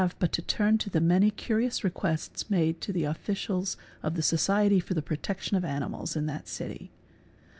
but to turn to the many curious requests made to the officials of the Society for the Protection of Animals in that city.